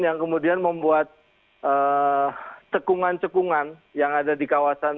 yang kemudian membuat cekungan cekungan yang ada di kawasan